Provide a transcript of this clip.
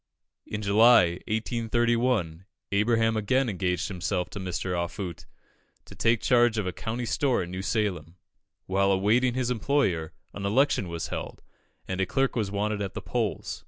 In July, 1831, Abraham again engaged himself to Mr. Offutt, to take charge of a country store at New Salem. While awaiting his employer, an election was held, and a clerk was wanted at the polls.